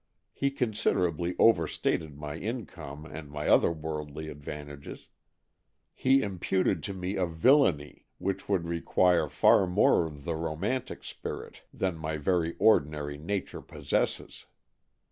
He considerably overstated my in come and my other worldly advantages. He imputed to me a villainy which would require far more of the romantic spirit than my very ordinary nature possesses.